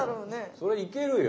そりゃいけるよ！